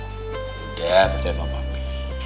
udah percaya sama papi